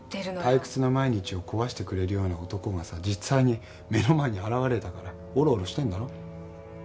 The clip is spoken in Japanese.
退屈な毎日を壊してくれる男が実際に目の前に現れたからおろおろしてんだろ？